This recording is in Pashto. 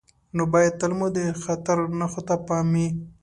نو باید تل مو د خطر نښو ته پام وي.